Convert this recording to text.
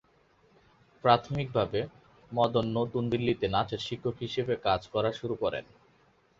প্রাথমিকভাবে, মদন নতুন দিল্লিতে নাচের শিক্ষক হিসেবে কাজ করা শুরু করেন।